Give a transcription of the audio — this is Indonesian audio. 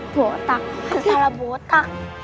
botak salah botak